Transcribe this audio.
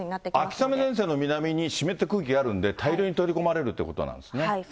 秋雨前線の南に湿った空気あるんで、大量に取り込まれるといそうですね。